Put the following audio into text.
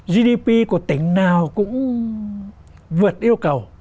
gdp của tỉnh nào cũng vượt yêu cầu